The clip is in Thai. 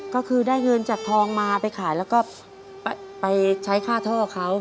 ก็คือได้เงินจากทองมาไปขายแล้วก็ไปใช้ค่าท่อเขา